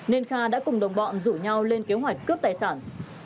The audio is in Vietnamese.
nên kha đã cùng đồng bọn rủ nhau lên kế hoạch cướp tài sản